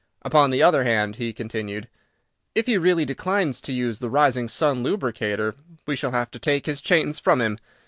"Upon the other hand," he continued, "if he really declines to use the Rising Sun Lubricator, we shall have to take his chains from him.